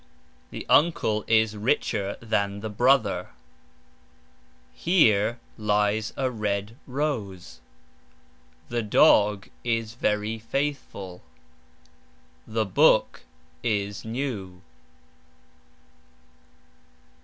The uncle is richer than the brother. Here lies (is) a red rose. The dog is very faithful. The book is new.